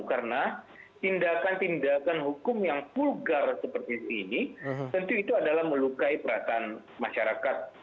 karena tindakan tindakan hukum yang pulgar seperti ini tentu itu adalah melukai perhatian masyarakat